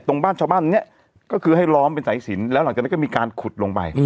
บ้านชาวบ้านเนี่ยก็คือให้ล้อมเป็นสายสินแล้วหลังจากนั้นก็มีการขุดลงไป